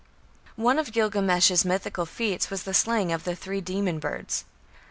One of Gilgamesh's mythical feats was the slaying of three demon birds.